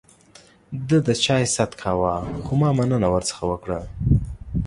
ده د چای ست کاوه ، خو ما مننه ورڅخه وکړه.